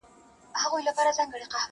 له یوسف څخه به غواړم د خوبونو تعبیرونه.!